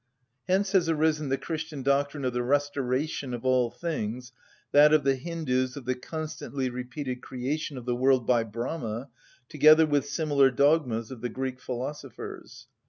Hence has arisen the Christian doctrine of the restoration of all things, that of the Hindus of the constantly repeated creation of the world by Brahma, together with similar dogmas of the Greek philosophers.